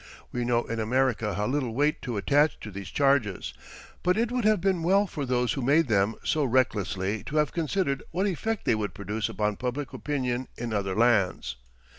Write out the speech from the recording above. We know in America how little weight to attach to these charges, but it would have been well for those who made them so recklessly to have considered what effect they would produce upon public opinion in other lands.